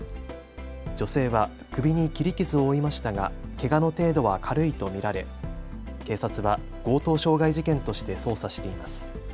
女性は首に切り傷を負いましたがけがの程度は軽いと見られ警察は強盗傷害事件として捜査しています。